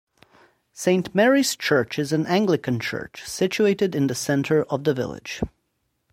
Saint Mary's church is an Anglican church situated in the centre of the village.